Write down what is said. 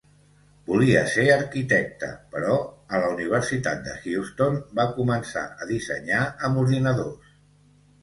Volia ser arquitecta, però a la Universitat de Houston va començar a dissenyar amb ordinadors.